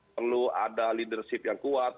perlu ada leadership yang kuat